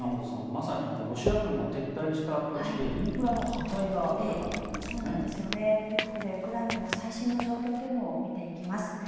まさにロシア軍が撤退した土地でインフラの破壊が明らかになっていますね。ということでウクライナの最新の状況というのを見ていきます。